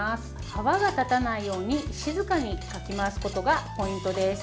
泡が立たないように静かにかき回すことがポイントです。